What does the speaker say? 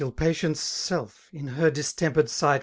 patience self, in her distempered sight.